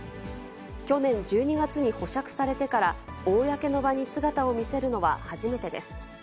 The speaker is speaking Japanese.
去年１２月に保釈されてから、公の場に姿を見せるのは初めてです。